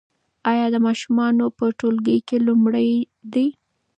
ایا دا ماشوم په ټولګي کې لومړی دی؟